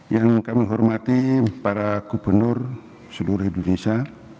yang kami hormati para gubernur seluruh indonesia